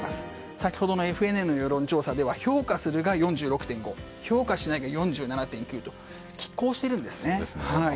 先ほどのＦＮＮの世論調査では評価するが４６．５％評価しないが４７．９％と拮抗しているんですね。